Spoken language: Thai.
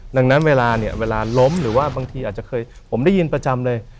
ดังนั้นเวลาเนี่ยเวลาล้มหรือว่าบางทีอาจจะเคยผมได้ยินประจำเลย